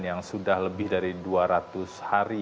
yang sudah lebih dari dua ratus hari